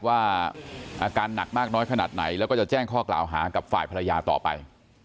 ว่าอาการหนักมากน้อยขนาดไหนแล้วก็จะแจ้งข้อกล่าวหากับฝ่ายภรรยาต่อไป